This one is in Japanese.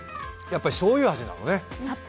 やっぱりしょうゆ味なのね。